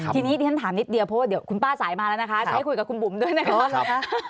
ทีนี้ดิฉันถามนิดเดียวเพราะว่าเดี๋ยวคุณป้าสายมาแล้วนะคะจะให้คุยกับคุณบุ๋มด้วยนะคะ